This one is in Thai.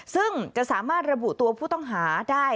ซึ่งจะสามารถระบุตัวผู้ต้องหาได้